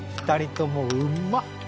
２人ともうまっ！